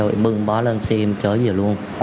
em bưng bá lên xe em chở về luôn